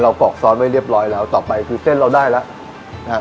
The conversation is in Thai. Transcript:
กรอกซอสไว้เรียบร้อยแล้วต่อไปคือเส้นเราได้แล้วนะฮะ